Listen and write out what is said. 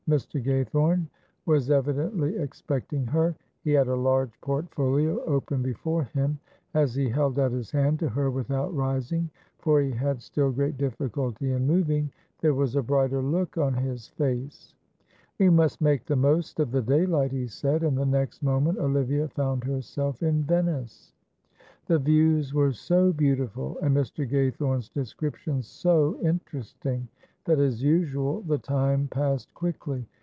Mr. Gaythorne was evidently expecting her; he had a large portfolio open before him. As he held out his hand to her without rising for he had still great difficulty in moving there was a brighter look on his face. "We must make the most of the daylight," he said, and the next moment Olivia found herself in Venice. The views were so beautiful and Mr. Gaythorne's descriptions so interesting, that, as usual, the time passed quickly.